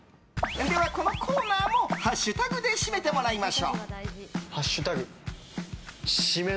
では、このコーナーもハッシュタグで締めてもらいましょう。